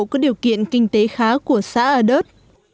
có điều kiện kinh tế khá của xã a đớt